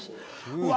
うわ！